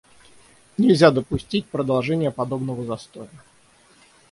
Нельзя допустить продолжения подобного застоя.